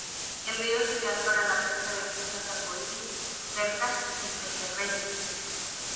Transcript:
El río es ideal para la pesca de truchas arco iris, percas y pejerreyes.